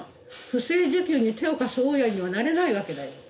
不正受給に手を貸す大家にはなれないわけだよ。